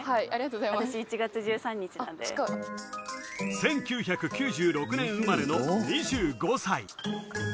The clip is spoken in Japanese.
１９９６年生まれの２５歳。